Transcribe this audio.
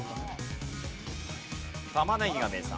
玉ねぎが名産。